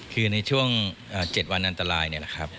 คือในช่วง๗วันอันตรายนี่แหละครับ